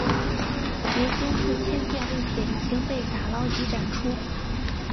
如今数千件物品已经被打捞及展出。